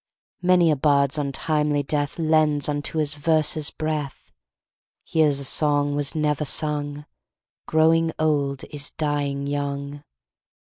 Many a bard's untimely death Lends unto his verses breath; Here's a song was never sung: Growing old is dying young.